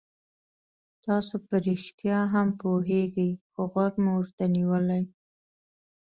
تاسو په رښتیا هم پوهېږئ خو غوږ مو ورته نیولی.